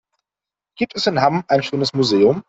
Gibt es in Hamm ein schönes Museum?